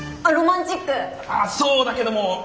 あそうだけども。